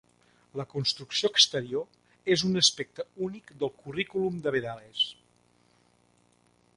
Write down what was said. La construcció exterior és un aspecte únic del currículum de Bedales.